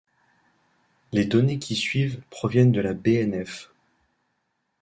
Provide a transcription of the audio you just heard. Les données qui suivent proviennent de la BnF.